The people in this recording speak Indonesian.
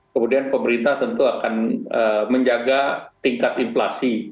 kemudian pemerintah tentu akan menjaga tingkat inflasi